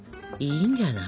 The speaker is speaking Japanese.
いいんじゃない。